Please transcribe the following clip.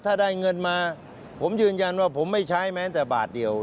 ถ้าได้เงินมาผมยืนยันว่าผมไม่ใช้แม้แต่บาทเดียว